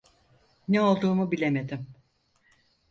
Ne olduğumu bilemedim.